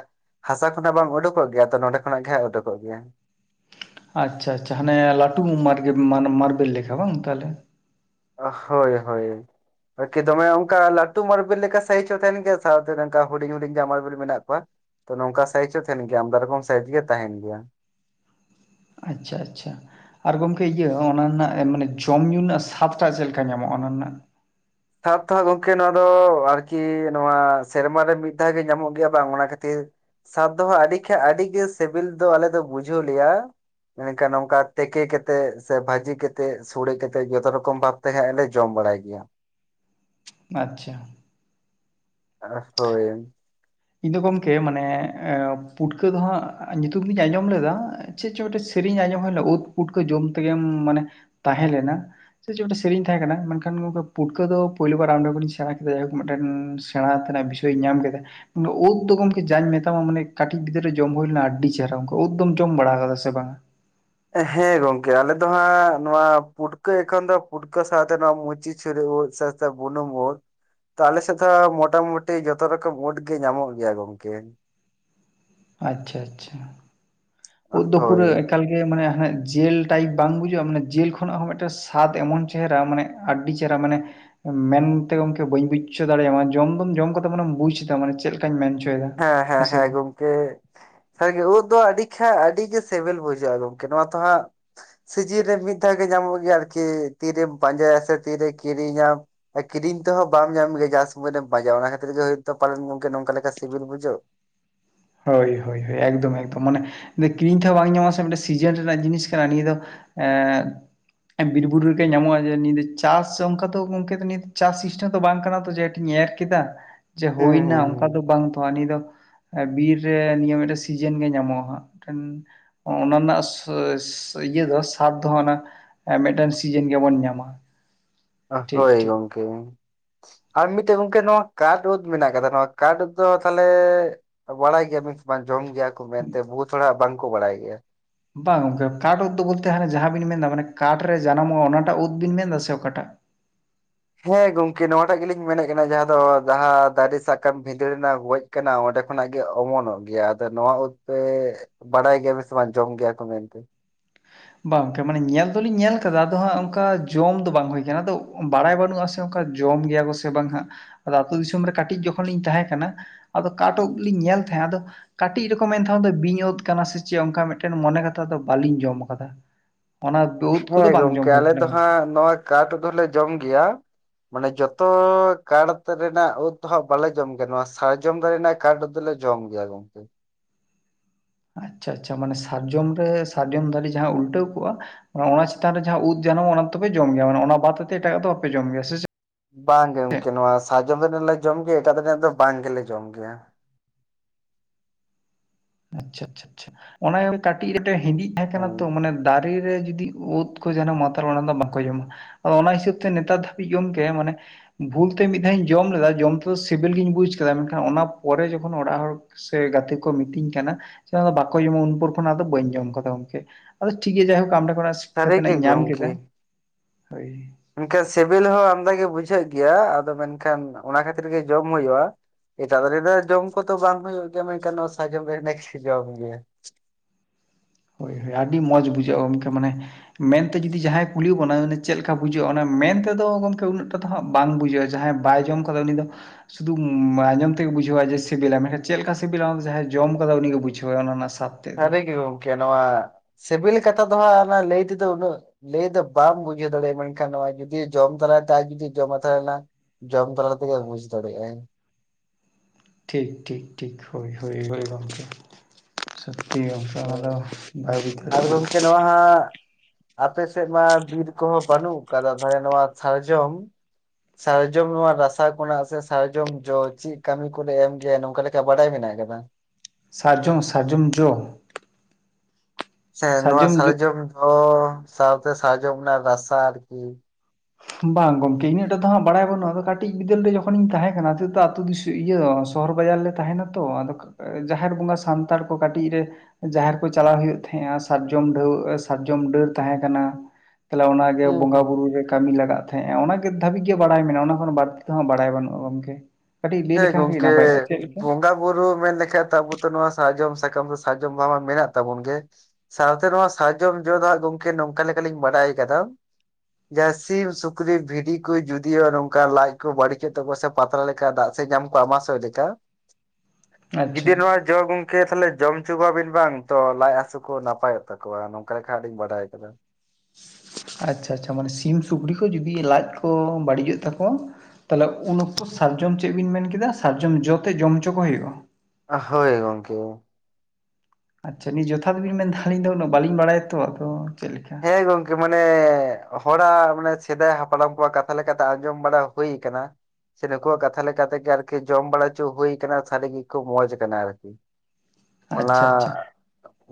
ᱦᱟᱥᱟ ᱠᱷᱚᱱᱟᱜ ᱵᱟᱢ ᱩᱰᱩᱠᱚᱜ ᱜᱮᱭᱟ ᱛᱚ ᱱᱚᱸᱰᱮ ᱠᱷᱚᱱᱟᱜ ᱜᱮ ᱦᱟᱸᱜ ᱩᱰᱩᱠᱚᱜ ᱜᱮᱭᱟ᱾ ᱟᱪᱪᱷᱟ ᱟᱪᱪᱷᱟ ᱦᱟᱱᱮ ᱞᱟᱹᱴᱩ ᱢᱟᱨ ᱢᱟᱨᱵᱮᱞ ᱞᱮᱠᱟ ᱵᱟᱝ ᱛᱟᱦᱞᱮ᱾ ᱚ ᱦᱚᱭ ᱦᱚᱭ ᱟᱨᱠᱤ ᱫᱚᱢᱮ ᱚᱝᱠᱟ ᱞᱟᱹᱴᱩ ᱢᱟᱨᱵᱮᱞ ᱞᱮᱠᱟ ᱥᱟᱭᱤᱡ ᱦᱚᱸ ᱛᱟᱦᱮᱱ ᱜᱮᱭᱟ ᱥᱟᱶᱛᱮ ᱱᱚᱝᱠᱟ ᱦᱩᱰᱤᱧ ᱦᱩᱰᱤᱧ-ᱡᱟᱦᱟ ᱢᱟᱨᱵᱮᱞ ᱢᱮᱱᱟᱜ ᱠᱚᱣᱟ ᱾ ᱛᱚ ᱱᱚᱝᱠᱟ ᱥᱟᱭᱤᱡ ᱦᱚᱸ ᱛᱟᱦᱮᱱ ᱜᱮᱭᱟ ᱟᱢᱫᱟ ᱨᱚᱠᱚᱢ ᱥᱟᱭᱤᱡ ᱜᱮ ᱛᱟᱦᱮᱱ ᱜᱮᱭᱟ᱾ ᱟᱪᱪᱷᱟ ᱟᱪᱪᱷᱟ ᱟᱨ ᱜᱚᱢᱠᱮ ᱤᱭᱟᱹ ᱚᱱᱟ ᱨᱮᱱᱟᱜ ᱢᱟᱱᱮ ᱡᱚᱢ ᱧᱩ ᱨᱮᱱᱟᱜ ᱥᱟᱫᱽᱴᱟᱜ ᱪᱮᱜ ᱞᱮᱠᱟ ᱧᱟᱢᱚᱜᱼᱟ ᱚᱱᱟ ᱨᱮᱱᱟᱜ? ᱥᱟᱫᱽ ᱫᱚ ᱦᱟᱸᱜ ᱜᱚᱝᱠᱮ ᱱᱚᱣᱟ ᱫᱚ ᱟᱨᱠᱤ ᱱᱚᱣᱟ ᱥᱮᱨᱢᱟᱨ ᱨᱮ ᱢᱤᱫ ᱫᱷᱟᱣ ᱜᱮ ᱧᱟᱢᱚᱜ ᱜᱮᱭᱟ ᱵᱟᱝ ᱚᱱᱟ ᱠᱷᱟᱹᱛᱤᱨ ᱥᱟᱫᱽ ᱫᱚ ᱦᱟᱸᱜ ᱟᱹᱰᱤ ᱠᱷᱟᱡ ᱟᱹᱰᱤ ᱜᱮ ᱥᱤᱵᱤᱞ ᱫᱚ ᱟᱞᱮ ᱫᱚ ᱵᱩᱡᱷᱟᱹᱣ ᱞᱮᱭᱟ᱾ ᱢᱮᱱᱠᱷᱟᱱ ᱱᱚᱝᱠᱟ ᱛᱮᱠᱮ ᱠᱮᱛᱮᱜ ᱥᱮ ᱵᱷᱟᱹᱡᱤ ᱠᱮᱛᱮᱜ, ᱥᱚᱲᱮ ᱠᱮᱛᱮᱜ ᱡᱚᱛᱚ ᱨᱚᱠᱚᱢ ᱵᱷᱟᱵ ᱛᱮ ᱦᱮᱸᱜ ᱞᱮ ᱡᱚᱢ ᱵᱟᱲᱟᱭ ᱜᱮᱭᱟ᱾ ᱟᱪᱪᱷᱟ ᱦᱚᱭ ᱤᱧ ᱫᱚ ᱜᱚᱢᱠᱮ ᱢᱟᱱᱮ ᱯᱩᱴᱠᱟᱹ ᱫᱚ ᱦᱟᱸᱜ ᱧᱩᱛᱩᱢ ᱫᱚᱤᱧ ᱟᱸᱡᱚᱢ ᱞᱮᱫᱟ ᱪᱮᱜ ᱪᱚᱸᱝ ᱢᱤᱫᱴᱟᱝ ᱥᱮᱨᱮᱧ ᱟᱸᱡᱚᱢ ᱦᱩᱭᱱᱟ ᱩᱫ ᱯᱩᱴᱠᱟᱹ ᱡᱚᱢ ᱛᱮᱜᱮᱢ ᱢᱟᱱᱮ ᱛᱟᱦᱮᱸ ᱞᱮᱱᱟ ᱾ ᱥᱮ ᱪᱮᱫ ᱢᱤᱫᱴᱟᱝ‌ ᱥᱮᱨᱮᱧ ᱛᱟᱦᱮᱸ ᱠᱟᱱᱟ ᱢᱮᱱᱠᱷᱟᱱᱠᱟ ᱯᱩᱴᱠᱟᱹ ᱫᱚ ᱯᱳᱭᱳ ᱵᱟᱨ ᱚᱸᱰᱮ ᱠᱷᱚᱱᱤᱧ ᱥᱮᱬᱟ ᱠᱮᱫᱟ ᱡᱟᱦᱟᱸ ᱠᱚ ᱢᱤᱫᱴᱮᱱ ᱥᱮᱬᱟ ᱛᱮ ᱨᱤᱧ ᱧᱟᱢ ᱠᱮᱫᱟ᱾ ᱩᱫ ᱫᱚ ᱜᱚᱢᱠᱮ ᱡᱟᱧ ᱢᱮᱛᱟᱢᱟ ᱢᱟᱱᱮ ᱠᱟᱹᱴᱤᱡ ᱜᱤᱫᱽᱨᱟᱹ ᱨᱮ ᱡᱚᱢ ᱦᱩᱭ ᱞᱮᱱᱟ ᱟᱹᱰᱤ ᱪᱮᱦᱨᱟ ᱚᱱᱠᱟ ᱾ ᱩᱫ ᱫᱚᱢ ᱡᱚᱢ ᱵᱟᱲᱟ ᱠᱟᱫᱟ ᱥᱮ ᱵᱟᱝᱟ? ᱦᱮᱸ ᱜᱚᱝᱠᱮ ᱟᱞᱮ ᱫᱚ ᱦᱟᱸᱜ ᱱᱚᱣᱟ ᱯᱩᱴᱠᱟᱹ ᱮᱠᱷᱚᱱ ᱫᱚ ᱯᱩᱴᱠᱟᱹ ᱥᱟᱶᱛᱮ ᱱᱚᱣᱟ ᱢᱩᱪᱤ ᱪᱷᱩᱨᱤ ᱩᱫ ᱥᱮ ᱵᱩᱱᱩᱢ ᱩᱫ ᱛᱚ ᱟᱞᱮ ᱥᱮᱜ ᱫᱚ ᱦᱟᱸᱜ ᱢᱳᱴᱟ-ᱢᱩᱴᱤ ᱡᱚᱛᱚ ᱨᱚᱠᱚᱢ ᱩᱫ ᱜᱮ ᱧᱟᱢᱚᱜ ᱜᱮᱭᱟ ᱜᱚᱝᱠᱮ᱾ ᱟᱪᱪᱷᱟ ᱟᱪᱪᱷᱟ ᱩᱫ ᱫᱚ ᱯᱩᱨᱟᱹ ᱦᱳᱭ ᱮᱠᱟᱞ ᱜᱮ ᱢᱟᱱᱮ ᱦᱮ ᱡᱮᱞ ᱴᱟᱭᱤᱯ ᱵᱟᱝ ᱵᱩᱡᱩᱜᱼᱟ ᱢᱟᱱᱮ ᱡᱤᱞ ᱠᱷᱚᱱᱟᱜ ᱦᱚᱸ ᱢᱤᱫᱴᱮᱱ ᱥᱟᱫ ᱮᱢᱚᱱ ᱪᱮᱦᱨᱟ ᱢᱟᱱᱮ ᱟᱹᱰᱤ ᱪᱮᱦᱨᱟ ᱢᱟᱱᱮ ᱢᱮᱱ ᱛᱮ ᱜᱚᱢᱠᱮ ᱵᱟᱹᱧ ᱵᱩᱡᱽ ᱦᱚᱪᱚ ᱫᱟᱲᱮᱭᱟᱢᱟ ᱡᱚᱢ ᱫᱚᱢ ᱡᱚᱢ ᱠᱟᱛᱮ ᱢᱟᱱᱮᱢ ᱵᱩᱡ ᱮᱫᱟ ᱢᱟᱱᱮ ᱪᱮᱫ ᱞᱮᱠᱟᱧ ᱢᱮᱱ ᱚᱪᱚᱭᱮᱫᱟ ᱾ ᱦᱮᱸ ᱦᱮᱸ ᱦᱮᱸ ᱜᱚ ᱝᱠᱮ ᱥᱟᱹᱨᱜᱮ ᱩᱵ ᱫᱚ ᱟᱹᱰᱤ ᱠᱷᱟ ᱟᱹᱰᱤ ᱜᱮ ᱥᱤᱵᱤᱞ ᱵᱩᱡᱷᱟᱹᱜᱼᱟ ᱜᱚᱢᱠᱮ ᱱᱚᱣᱟ ᱛᱚ ᱦᱟᱸᱜ ᱥᱤᱡᱤᱱ ᱨᱮ ᱢᱤᱫ ᱫᱷᱟᱣ ᱜᱮ ᱧᱟᱢᱚᱜ ᱜᱮᱭᱟ ᱟᱨᱠᱤ ᱛᱤᱨᱮᱢ ᱯᱟᱸᱡᱟᱭᱟ ᱥᱮ ᱛᱤᱨᱮ ᱠᱤᱨᱤᱧᱟᱢ ᱟᱨ ᱠᱤᱨᱤᱧ ᱛᱮᱦᱚᱸ ᱵᱟᱢ ᱧᱟᱢ ᱜᱮᱭᱟ ᱡᱟ ᱥᱩᱚᱢᱚᱭ ᱨᱮᱢ ᱯᱟᱸᱡᱟᱭᱟ ᱚᱱᱟ ᱠᱷᱟᱛᱤᱨ ᱜᱮ ᱦᱭ ᱯᱟᱞᱮᱱ ᱜᱚᱝᱠᱮ ᱱᱚᱝᱠᱟ ᱞᱮᱠᱟ ᱥᱤᱵᱤᱞ ᱵᱩᱡᱷᱟᱹᱣ ᱦᱟᱭ ᱦᱚᱭ ᱮᱠᱫᱚᱢ-ᱮᱠᱫᱚᱢ ᱢᱟᱱᱮ ᱠᱤᱨᱤᱧ ᱛᱮᱷᱟᱦᱚᱸ ᱵᱟᱝ ᱧᱟᱢᱚᱜᱟᱥᱮ ᱢᱤᱫᱴᱮᱱ ᱥᱤᱡᱮᱱ ᱨᱮᱱᱟᱜ ᱡᱤᱱᱤᱥ ᱠᱟᱱᱟ ᱱᱤᱭᱟᱹ ᱫᱚ ᱮᱸᱜ ᱵᱤᱨ ᱵᱩᱨᱩ ᱨᱮᱜᱮ ᱧᱟᱢᱚᱜᱼᱟ ᱡᱮ ᱱᱤᱭᱟᱹ ᱫᱚ ᱪᱟᱥ ᱚᱱᱠᱟ ᱛᱚ ᱜᱚᱢᱠᱮ ᱱᱤᱭᱟᱹ ᱪᱟᱥ ᱥᱤᱥᱴᱮᱢ ᱫᱚ ᱵᱟᱝ ᱠᱟᱱᱟ ᱛᱚ ᱡᱮᱧ ᱮᱨ, ᱠᱮᱫᱟ ᱡᱮ ᱦᱩᱸ ᱦᱩᱭᱱᱟ ᱦᱩᱸ ᱚᱱᱠᱟ ᱫᱚ ᱵᱟᱝ ᱛᱚ ᱱᱤᱭᱟᱹ ᱫᱚ ᱵᱤᱨ ᱨᱮ ᱱᱤᱭᱟᱹ ᱢᱤᱫᱴᱮᱱ ᱥᱤᱡᱮᱱ ᱜᱮ ᱧᱟᱢᱚᱜᱼᱟ ᱦᱟᱸᱜ ᱢᱤᱫᱴᱮᱱ, ᱚᱱᱟ ᱨᱮᱱᱟᱜ ᱤᱭᱟᱹ ᱫᱚ ᱥᱟᱫ ᱫᱚ ᱚᱱᱟ ᱮᱸ ᱢᱤᱫᱴᱮᱱ ᱥᱤᱡᱤᱱ ᱜᱮᱵᱚᱱ ᱧᱟᱢᱟ ᱾ ᱦᱳᱭ ᱜᱚᱢᱠᱮ ᱾ ᱟᱨ ᱢᱤᱫᱴᱮᱡ ᱜᱚᱝᱠᱮ ᱱᱚᱣᱟ ᱠᱟᱴ ᱳᱫ ᱢᱮᱱᱟᱜ ᱠᱟᱫᱟ ᱱᱚᱣᱟ ᱠᱟᱴ ᱫᱚ ᱛᱟᱦᱚᱞᱮ ᱵᱟᱲᱟᱭ ᱜᱮᱭᱟ ᱵᱤᱱ ᱥᱮ ᱵᱟᱝ ᱡᱚᱢ ᱜᱮᱭᱟ ᱠᱚ ᱢᱮᱱᱛᱮ ᱵᱚᱦᱩᱛ ᱦᱚᱲᱟᱜ ᱵᱟᱝᱠᱚ ᱵᱟᱲᱟᱭ ᱜᱮᱭᱟ, ᱵᱟᱝ ᱜᱚᱝᱠᱮ ᱠᱟᱴ ᱩᱫ ᱫᱚ ᱵᱚᱞᱛᱮ ᱦᱟᱱᱮ ᱡᱟᱦᱟᱸ ᱵᱤᱱ ᱢᱮᱱ ᱮᱫᱟ ᱢᱟᱱᱮ ᱠᱟᱴ ᱨᱮ ᱡᱟᱱᱟᱢᱚᱜᱼᱟ ᱚᱱᱟᱴᱟᱜ ᱩᱫ ᱵᱤᱱ ᱢᱮᱱ ᱮᱫᱟ ᱥᱮ ᱚᱠᱟᱴᱟᱜ? ᱦᱮᱸ ᱜᱚᱝᱠᱮ ᱱᱚᱣᱟ ᱴᱟᱜ ᱜᱮᱞᱤᱧ ᱢᱮᱱᱮᱫ ᱠᱟᱱᱟ ᱡᱟᱦᱟᱸ ᱫᱚ ᱡᱟᱦᱟᱸ ᱫᱟᱨᱮ ᱥᱟᱠᱟᱢ ᱵᱷᱤᱸᱫᱟᱹᱲ ᱮᱱᱟ ᱜᱚᱡ ᱠᱟᱱᱟ ᱚᱸᱰᱮ ᱠᱷᱚᱱᱟᱜ ᱜᱮ ᱚᱢᱚᱱᱚᱜ ᱜᱮᱭᱟ ᱟᱫᱚ ᱱᱚᱣᱟ ᱳᱫ ᱯᱮ ᱵᱟᱲᱟᱭ ᱜᱮᱭᱟ ᱵᱮᱱ ᱥᱮ ᱵᱟᱝ ᱡᱚᱢ ᱜᱮᱭᱟ ᱠᱚ ᱢᱮᱱᱛᱮ, ᱵᱟᱝ ᱜᱚᱝᱠᱮ ᱢᱟᱱᱮ ᱧᱮᱞ ᱫᱚᱞᱤᱧ ᱧᱮᱞ ᱟᱠᱟᱫᱟ ᱟᱫᱚ ᱦᱟᱸᱜ ᱚᱱᱠᱟ ᱡᱚᱢ ᱫᱚ ᱵᱟᱝ ᱦᱩᱭ ᱟᱠᱟᱱᱟ ᱟᱫᱚ ᱵᱟᱲᱟᱭ ᱵᱟᱹᱱᱩᱜᱼᱟ ᱥᱮ, ᱚᱱᱠᱟ ᱡᱚᱢ ᱜᱮᱭᱟ ᱠᱚᱥᱮ ᱵᱟᱝ ᱦᱟᱸᱜ ᱟᱫᱚ ᱟᱛᱳ ᱫᱤᱥᱚᱢ ᱨᱮ ᱠᱟᱹᱴᱤᱡ ᱡᱚᱠᱷᱚᱱᱤᱧ ᱛᱟᱦᱮᱸ ᱠᱟᱱᱟ ᱟᱫᱚ ᱠᱟᱴ ᱳᱫ ᱞᱤᱧ ᱧᱮᱞ ᱛᱟᱦᱮᱸᱫ ᱟᱫᱚ ᱠᱟᱹᱴᱤᱡ ᱨᱚᱠᱚ ᱢᱮᱱᱛᱷᱟ ᱫᱚ ᱵᱤᱧ ᱳᱫ ᱠᱟᱱᱟ ᱥᱮ ᱪᱮᱫ ᱚᱱᱠᱟ ᱢᱤᱫᱴᱮᱱ ᱢᱚᱱᱮ ᱠᱟᱛᱮᱫ ᱫᱚ ᱵᱟᱹᱞᱤᱧ ᱡᱚᱢ ᱠᱟᱫᱟ, ᱦᱚᱭ ᱜᱚᱝᱠᱮ ᱟᱞᱮ ᱫᱚ ᱜᱚᱝᱠᱮ ᱦᱟᱸᱜ ᱱᱚᱣᱟ ᱠᱟᱴ ᱫᱚᱞᱮ ᱡᱚᱢ ᱜᱮᱭᱟ, ᱢᱟᱱᱮ ᱡᱚᱛᱚ ᱠᱟᱴ ᱨᱮᱱᱟᱜ ᱩᱫ ᱫᱚ ᱦᱟᱸᱜ ᱵᱟᱞᱮ ᱡᱚᱢ ᱜᱮᱭᱟ ᱱᱚᱣᱟ ᱥᱟᱨᱡᱚᱢ ᱫᱟᱨᱮ ᱱᱟᱜ ᱠᱟᱴ ᱫᱚᱞᱮ ᱡᱚᱢ ᱜᱮᱭᱟ ᱜᱚᱢᱠᱮ, ᱟᱪᱪᱷᱟ ᱟᱪᱪᱷᱟ ᱢᱟᱱᱮ ᱥᱟᱨᱡᱚᱢ ᱨᱮ ᱥᱟᱨᱡᱚᱢ ᱫᱟᱨᱮ ᱡᱟᱸᱦᱟ ᱩᱞᱴᱟᱹᱣ ᱠᱚᱜᱼᱟ, ᱚᱱᱟ ᱪᱮᱛᱟᱱ ᱨᱮ ᱡᱟᱸᱦᱟ ᱩᱫ ᱡᱟᱱᱟᱢᱼᱟ ᱚᱱᱟ ᱫᱚᱯᱮ ᱡᱚᱢ ᱜᱮᱭᱟ ᱢᱟᱱᱮ ᱚᱱᱟ ᱵᱟᱫ ᱠᱟᱛᱮᱫ ᱮᱴᱟᱜ ᱫᱚ ᱵᱟᱯᱮ ᱡᱚᱢ ᱜᱮᱭᱟ ᱥᱮ ᱪᱮᱫ, ᱵᱟᱝ ᱜᱮ ᱜᱚᱢᱠᱮ ᱱᱚᱣᱟ ᱥᱟᱨᱡᱚᱢ ᱫᱟᱨᱮᱱᱟᱜ ᱞᱮ ᱡᱚᱢ ᱜᱮᱭᱟ ᱮᱴᱟᱜ ᱫᱚ ᱵᱟᱝ ᱜᱮᱞᱮ ᱡᱚᱢ ᱜᱮᱭᱟ ᱾ ᱟᱪᱪᱷᱟ, ᱪᱪᱷᱟ, ᱪᱪᱷᱟ, ᱠᱟᱹᱴᱤᱡ ᱨᱮᱫᱚ ᱦᱤᱸᱫᱤᱡ ᱛᱟᱸᱦᱮ ᱠᱟᱱᱟ ᱦᱳᱭ ᱛᱚ ᱢᱟᱱᱮ, ᱫᱟᱨᱮ ᱨᱮ ᱡᱩᱫᱤ ᱩᱫ ᱠᱚ ᱡᱟᱱᱟᱢᱚᱜ ᱛᱟᱦᱚᱞᱮ ᱚᱱᱟ ᱫᱚ ᱵᱟᱠᱚ ᱡᱚᱢᱟ, ᱚ ᱚᱱᱟ ᱦᱤᱥᱟᱹᱵ ᱛᱮ ᱱᱮᱛᱟᱨ ᱫᱷᱟᱹᱵᱤᱡ ᱜᱚᱝᱠᱮ ᱢᱟᱱᱮ ᱵᱷᱩᱞ ᱛᱮ ᱢᱤᱫ ᱫᱷᱟᱣᱤᱧ ᱡᱚᱢ ᱞᱮᱫᱟ ᱡᱚᱢ ᱛᱮᱫᱚ ᱥᱤᱵᱤᱞ ᱜᱤᱧ ᱵᱩᱡ ᱠᱮᱫᱟ ᱢᱮᱱᱠᱷᱟᱱ ᱚᱱᱟ ᱯᱚᱨᱮ ᱡᱚᱠᱷᱚᱱ ᱚᱲᱟᱜ ᱦᱚᱲ ᱥᱮ ᱜᱟᱛᱮ ᱠᱚ ᱢᱤᱛᱟᱹᱧ ᱠᱟᱱᱟ ᱵᱟᱠᱚ ᱡᱚᱢᱟ ᱩᱱ ᱯᱚᱨ ᱠᱷᱚᱱᱟᱜᱫᱚ ᱵᱟᱹᱧ ᱡᱚᱢ ᱟᱠᱟᱫᱟ ᱜᱚᱝᱠᱮ ᱟᱫᱚ ᱴᱷᱤᱠ ᱜᱮᱭᱟ ᱡᱟᱭᱦᱳᱠ ᱟᱢᱰᱮᱚᱱᱟᱜ [UNINTELLIGIBLE] ᱥᱤᱠᱠᱷᱟ ᱥᱟᱹᱨᱤ ᱛᱮᱱᱟᱜ ᱜᱮ ᱤᱧ ᱧᱟᱢ ᱜᱚᱝᱠᱮ᱾ ᱠᱮᱫᱟ ᱦᱳᱭ, ᱢᱮᱱᱠᱷᱟᱱ ᱥᱤᱵᱤᱞ ᱦᱚᱸ ᱟᱢᱫᱟ ᱜᱮ ᱵᱩᱡᱷᱟᱹᱜ ᱜᱮᱭᱟ ᱟᱫᱚ ᱢᱮᱱᱠᱷᱟᱱ ᱚᱱᱟ ᱠᱷᱟᱹᱛᱤᱨ ᱜᱮ ᱡᱚᱢ ᱦᱩᱭᱩᱜᱼᱟ, ᱮᱴᱟᱜ ᱫᱟᱨᱮ ᱡᱚᱢ ᱠᱚᱫᱚ ᱵᱟᱝ ᱦᱩᱭᱩᱜ ᱜᱮᱭᱟ ᱢᱮᱱᱠᱷᱟᱱ ᱱᱚᱣᱟ [UNINTELLIGIBLE] ᱡᱚᱢ ᱜᱮᱭᱟ ᱦᱳᱭ ᱦᱳᱭ ᱟᱹᱰᱤ ᱢᱚᱡᱽ ᱵᱩᱡᱷᱟᱹᱜᱼᱟ ᱜᱚᱢᱠᱮ ᱢᱟᱱᱮ, ᱢᱮᱱᱛᱮ ᱡᱩᱫᱤ ᱡᱟᱦᱟᱸᱭ ᱠᱩᱞᱤ ᱵᱚᱱᱟ ᱪᱮᱫ ᱞᱮᱠᱟ ᱵᱩᱡᱷᱟᱹᱜᱼᱟ, ᱚᱱᱟ ᱢᱮᱱ ᱛᱮᱫᱚ ᱜᱚᱝᱠᱮ ᱩᱱᱟᱹᱜ ᱴᱟ ᱛᱚ ᱦᱟᱸᱜ ᱵᱟᱝ ᱵᱩᱡᱷᱟᱹᱜᱼᱟ ᱡᱟᱦᱟᱸᱭ ᱵᱟᱭ ᱡᱚᱢ ᱠᱟᱫᱟ ᱩᱱᱤ ᱫᱚ, ᱥᱩᱫᱩ ᱟᱸᱡᱚᱢ ᱛᱮ ᱵᱩᱡᱷᱟᱹᱣᱟᱭ ᱡᱮ ᱥᱤᱵᱤᱞᱟ ᱢᱮᱱᱠᱷᱟᱱ ᱪᱮᱫ ᱞᱮᱠᱟ ᱥᱤᱵᱤᱞᱟ ᱡᱟᱦᱟᱸᱭ ᱡᱚᱢ ᱟᱠᱟᱫᱟ ᱩᱱᱤᱜᱮ ᱵᱩᱡᱷᱟᱹᱣᱟᱭ ᱚᱱᱟ ᱨᱮᱱᱟᱜ ᱥᱟᱫ, ᱛᱮᱫ ᱫᱚ ᱥᱟᱹᱨᱤ ᱜᱮ ᱜᱚᱢᱠᱮ ᱱᱚᱣᱟ ᱥᱤᱵᱤᱞ ᱠᱟᱛᱷᱟ ᱫᱚ ᱦᱟᱸᱜ ᱚᱱᱟ ᱞᱟᱹᱭ ᱛᱮᱫᱚ ᱩᱱᱟᱹᱜ ᱞᱟᱹᱭ ᱫᱚ ᱵᱟᱢ ᱵᱩᱡᱷᱟᱹᱣ ᱫᱟᱲᱮᱭᱟᱜᱼᱟ, ᱢᱮᱱᱠᱷᱟᱱ ᱱᱚᱣᱟ ᱡᱩᱫᱤᱭ ᱡᱚᱢ ᱛᱚᱨᱟᱭ ᱟᱨ ᱡᱩᱫᱤ ᱡᱚᱢᱟ ᱛᱚᱨᱟᱭᱮᱱᱟ ᱾ ᱡᱚᱢ ᱛᱟᱞᱟ ᱛᱮᱜᱮ ᱵᱩᱡᱽ ᱫᱟᱲᱮᱜᱟᱭ ᱾ ᱴᱷᱤᱠ ᱴᱷᱤᱠ ᱴᱷᱤᱠ ᱦᱳᱭ ᱦᱳᱭ ᱜᱚᱢᱠᱮ ᱥᱚᱛᱛᱤᱭᱟ ᱚᱱᱟ ᱫᱚ ᱵᱷᱟᱜᱮ ᱵᱩᱡᱷᱟᱹᱜ ᱟᱨ ᱠᱟᱱᱟ ᱜᱚᱝᱠᱮ ᱾ ᱟᱯᱮ ᱥᱮᱫ ᱢᱟ ᱵᱤᱨ ᱠᱚᱦᱚᱸ ᱵᱟᱹᱱᱩᱜ ᱟᱠᱟᱫᱟ ᱛᱟᱦᱚᱞᱮ ᱱᱚᱣᱟ ᱥᱟᱨᱡᱚᱢ, ᱥᱟᱨᱡᱚᱢ ᱱᱚᱣᱟ ᱨᱟᱥᱟ ᱠᱚᱱᱟᱜ ᱥᱮ ᱥᱟᱨᱡᱚᱢ ᱡᱚ ᱪᱮᱫ ᱠᱟᱹᱢᱤ ᱠᱚᱨᱮ ᱮᱢ ᱜᱮᱭᱟ ᱱᱚᱝᱠᱟ, ᱵᱟᱰᱟᱭ ᱢᱮᱱᱟᱜ ᱟᱠᱟᱫᱟ ᱾ ᱥᱟᱨᱡᱚᱢ ᱥᱟᱨᱡᱚᱢ ᱡᱚ ᱥᱮᱸ ᱱᱚᱣᱟ ᱥᱟᱨᱡᱚᱢ ᱡᱚ ᱥᱟᱶᱛᱮ ᱥᱟᱨᱡᱚᱢ ᱨᱮᱱᱟᱜ ᱨᱟᱥᱟ ᱟᱨᱠᱤ, ᱵᱟᱝ ᱜᱚᱢᱠᱮ ᱤᱧᱟᱹᱜ ᱴᱟᱜ ᱫᱚ ᱦᱟᱸᱜ ᱵᱟᱲᱟᱭ ᱵᱟᱹᱱᱩᱜᱼᱟ ᱠᱟᱹᱴᱤᱡ ᱵᱤᱫᱟᱹᱞ ᱨᱮ ᱡᱚᱠᱷᱱᱤᱧ ᱛᱟᱦᱮᱸ ᱠᱟᱱᱟ ᱡᱮᱦᱮᱛᱩ ᱟᱛᱩ ᱫᱤᱥᱚᱢ, ᱤᱭᱟᱹ ᱥᱚᱦᱚᱨ ᱵᱟᱡᱟᱨ ᱞᱮ ᱛᱟᱦᱮᱱᱟ ᱛᱚ ᱟᱫᱚ ᱡᱟᱦᱮᱨ ᱵᱚᱸᱜᱟ ᱥᱟᱱᱛᱟᱲ ᱠᱚ ᱠᱟᱹᱴᱤᱡ ᱨᱮ, ᱡᱟᱦᱮᱨ ᱠᱚ ᱪᱟᱞᱟᱜ ᱦᱩᱭᱩᱜ ᱛᱟᱦᱮᱸᱫᱼᱟ ᱥᱟᱨᱡᱚᱢ ᱰᱟᱹ ᱥᱟᱨᱡᱚᱢ ᱰᱟᱹᱨ ᱛᱟᱦᱮᱸ ᱠᱟᱱᱟ, ᱛᱟᱦᱚᱞᱮ ᱚᱱᱟ ᱜᱮ ᱦᱩᱸ ᱵᱚᱸᱜᱟ ᱦᱩᱸ ᱵᱩᱨᱩ ᱨᱮ, ᱠᱟᱹᱢᱤ ᱞᱟᱜᱟᱜ ᱛᱟᱦᱮᱸᱜᱼᱟ ᱚᱱᱟᱜᱮ ᱫᱷᱟᱹᱵᱤᱡ ᱜᱮ ᱵᱟᱲᱟᱭ ᱢᱮᱱᱟᱜ-ᱟ ᱚᱱᱟ ᱠᱷᱚᱱ ᱵᱟᱹᱲᱛᱤ ᱫᱚ ᱦᱟᱸᱜ ᱵᱟᱲᱟᱭ ᱵᱟᱹᱱᱩᱜ-ᱟ ᱜᱚᱝᱠᱮ ᱦᱮᱸ ᱜᱚᱝᱠᱮ ᱵᱚᱸᱜᱟ ᱵᱩᱨᱩ ᱢᱮᱱ ᱞᱮᱠᱷᱟᱡ ᱟᱵᱚ ᱱᱚᱣᱟ ᱥᱟᱨᱡᱚᱢ ᱥᱟᱠᱟᱢ ᱥᱟᱨᱡᱚᱢ ᱵᱟᱦᱟ ᱢᱟ ᱢᱮᱱᱟᱜ ᱛᱟᱵᱚᱱ ᱜᱮ ᱥᱟᱶᱛᱮ ᱱᱚᱣᱟ ᱥᱟᱨᱡᱚᱢ ᱡᱚ ᱫᱚ ᱦᱟᱸᱜ ᱜᱚᱝᱠᱮ ᱱᱚᱝᱠᱟ ᱞᱮᱠᱟᱞᱤᱧ ᱵᱟᱰᱟᱭ ᱟᱠᱟᱫᱟ ᱡᱟᱦᱟᱸ ᱥᱤᱢ ᱥᱩᱠᱨᱤ ᱵᱷᱤᱰᱤ ᱠᱚ ᱡᱩᱫᱤᱭᱳ ᱱᱚᱝᱠᱟ ᱞᱟᱡ ᱠᱚ ᱵᱟᱹᱲᱤᱡᱚᱜ ᱛᱟᱠᱚᱣᱟ ᱥᱮ ᱯᱟᱛᱞᱟ ᱞᱮᱠᱟ ᱫᱟᱜ ᱥᱮ ᱧᱟᱢ ᱠᱚᱣᱟ ᱟᱢᱟᱥᱚᱭ ᱞᱮᱠᱟ ᱟᱪᱪᱷᱟ ᱡᱩᱫᱤ ᱱᱚᱣᱟ ᱡᱚ ᱜᱚᱝᱠᱮ ᱛᱟᱦᱚᱞᱮ ᱡᱚᱢ ᱚᱪᱚ ᱠᱚᱣᱟᱵᱤᱱ ᱵᱟᱝ ᱛᱚ ᱞᱟᱡ ᱦᱟᱹᱥᱩ ᱠᱚ ᱱᱟᱯᱟᱭᱚᱜ ᱛᱟᱠᱚᱣᱟ ᱱᱚᱝᱠᱟ ᱞᱮᱠᱷᱟᱱ ᱟᱹᱰᱤᱧ ᱵᱟᱰᱟᱭ ᱟᱠᱟᱫᱟ ᱟᱪᱪᱷᱟ ᱟᱪᱪᱷᱟ ᱢᱟᱱᱮ ᱥᱤᱢ ᱥᱩᱠᱨᱤ ᱠᱚ ᱡᱩᱫᱤ ᱞᱟᱡ ᱠᱚ ᱵᱟᱹᱲᱤᱡᱚᱜ ᱛᱟᱠᱚᱣᱟ ᱛᱟᱦᱚᱞᱮ ᱩᱱ ᱚᱠᱛᱚ ᱥᱟᱨᱡᱚᱢ ᱪᱮᱫ ᱵᱤᱱ ᱢᱮᱱ ᱠᱮᱫᱟ ᱥᱟᱨᱡᱚᱢ ᱡᱚ ᱛᱮᱫ ᱡᱚᱢ ᱦᱚᱪᱚ ᱠᱚ ᱦᱩᱭᱩᱜᱼᱟ᱾ ᱦᱳᱭ ᱜᱚᱢᱠᱮ ᱟᱪᱪᱷᱟ ᱱᱤᱭᱟᱹ ᱡᱚᱛᱷᱟᱛ ᱵᱤᱱ ᱢᱮᱱ ᱮᱫᱟ ᱟᱹᱞᱤᱧ ᱫᱚ ᱩᱱᱟᱹᱜ ᱵᱟᱞᱤᱧ ᱵᱟᱲᱟᱭᱟ ᱛᱚ ᱟᱫᱚ ᱪᱮᱫ ᱞᱮᱠᱟ ᱦᱮᱸ ᱜᱚᱝᱠᱮ ᱢᱟᱱᱮ ᱦᱚᱲᱟᱜ ᱢᱟᱱᱮ ᱥᱮᱫᱟᱭ ᱦᱟᱯᱲᱟᱢ ᱠᱚᱣᱟᱜ ᱠᱟᱛᱷᱟ ᱞᱮᱠᱟᱛᱮ ᱟᱸᱡᱚᱢ ᱵᱟᱲᱟ ᱦᱩᱭ ᱟᱠᱟᱱᱟ ᱥᱮ ᱱᱩᱠᱩᱣᱟᱜ ᱠᱟᱛᱷᱟ ᱞᱮᱠᱟ ᱛᱮᱜᱮ ᱟᱨᱠᱤ ᱡᱚᱢ ᱵᱟᱲᱟ ᱚᱪᱚ ᱦᱩᱭ ᱟᱠᱟᱱᱟ ᱥᱟᱨᱤ ᱜᱮ ᱢᱚᱸᱡᱽ ᱟᱠᱟᱱᱟ ᱟᱨᱠᱤ ᱚᱱᱟ ᱟᱪᱪᱷᱟ ᱟᱪᱪᱷᱟ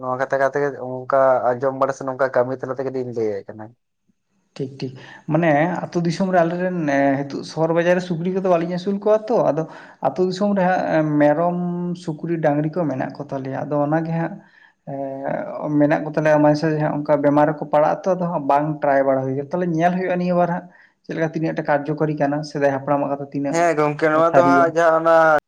ᱱᱚᱣᱟ ᱠᱟᱛᱷᱟ ᱠᱷᱟᱹᱛᱤᱨ ᱚᱱᱠᱟ ᱟᱸᱡᱚᱢ ᱵᱟᱲᱟ ᱥᱮ ᱱᱚᱝᱠᱟ ᱠᱟᱹᱢᱤ ᱚᱱᱟ ᱛᱮ ᱠᱟᱹᱴᱤᱧ ᱞᱟᱹᱭᱟᱭ ᱠᱟᱱᱟ ᱴᱷᱤᱠ ᱴᱷᱤᱠ ᱢᱟᱱᱮ ᱟᱛᱩ ᱫᱤᱥᱚᱢ ᱨᱮ ᱟᱞᱮᱨᱮᱱ ᱱᱤᱛᱚᱜ ᱥᱚᱦᱚᱨ ᱵᱟᱡᱟᱨ ᱨᱮ ᱥᱩᱠᱨᱤ ᱠᱚᱫᱚ ᱵᱟᱹᱞᱤᱧ ᱟᱹᱥᱩᱞ ᱠᱚᱣᱟ ᱛᱚ ᱟᱫᱚ ᱟᱛᱩ ᱫᱤᱥᱚᱢ ᱨᱮᱦᱟᱸᱜ ᱢᱮᱨᱚᱢ ᱥᱩᱠᱨᱤ ᱰᱟᱺᱝᱨᱤ ᱠᱚ ᱢᱮᱱᱟᱜ ᱠᱚᱛᱟ ᱞᱮᱭᱟ ᱟᱫᱚ ᱚᱱᱟᱜᱮ ᱦᱟᱸᱜ ᱢᱮᱱᱟᱜ ᱠᱚ ᱛᱟᱞᱮᱭᱟ ᱚᱱᱠᱟ ᱵᱮᱢᱟᱨ ᱨᱮ ᱠᱚ ᱯᱟᱲᱟᱜ ᱟᱛᱚ ᱟᱫᱚ ᱵᱟᱝ ᱴᱨᱟᱭ ᱵᱟᱲᱟᱭ ᱦᱩᱭᱟ, ᱛᱟᱦᱚᱞᱮ ᱧᱮᱞ ᱦᱩᱭᱩᱜᱼᱟ, ᱱᱤᱭᱟᱹ ᱵᱟᱨ ᱦᱟᱸᱜ ᱪᱮᱫ ᱞᱮᱠᱟ ᱛᱤᱱᱟᱹᱜ ᱴᱟ ᱠᱟᱨᱡᱚᱠᱟᱨᱤ ᱠᱟᱱᱟ ᱥᱮᱫᱟᱭ ᱦᱟᱯᱲᱟᱢᱟᱜ ᱠᱟᱛᱷᱟ ᱛᱤᱱᱟᱹᱜ ᱦᱮᱸ ᱜᱚᱝᱠᱮ ᱱᱚᱣᱟ ᱫᱚ ᱥᱟᱹᱨᱤᱭᱟ ᱦᱟᱸᱜ ᱡᱟᱦᱟᱸ ᱚᱱᱟ